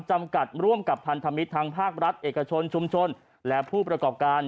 จำกัดร่วมกับพันธมิตรทั้งภาครัฐเอกชนชุมชนและผู้ประกอบการ